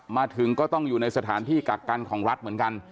มาถึงก็ต้องอยู่ในสถานที่กักกันของรัฐเหมือนกัน